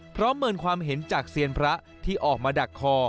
เมินความเห็นจากเซียนพระที่ออกมาดักคอ